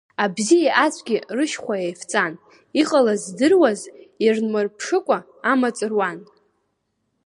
Абзиеи ацәгьеи рышьхәа еивҵан, иҟалаз здыруаз ирнмырԥшыкәа амаҵ руан.